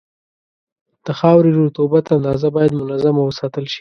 د خاورې رطوبت اندازه باید منظمه وساتل شي.